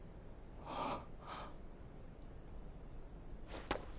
あっ。